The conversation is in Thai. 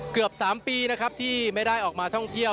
เกือบ๓ปีนะครับที่ไม่ได้ออกมาท่องเที่ยว